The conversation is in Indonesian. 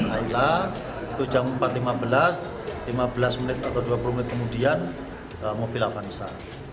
aila itu jam empat lima belas lima belas menit atau dua puluh menit kemudian mobil avanza